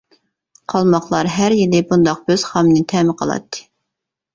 قالماقلار ھەر يىلى بۇنداق بۆز-خامنى تەمە قىلاتتى.